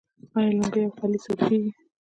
آیا لونګۍ او خولۍ صادریږي؟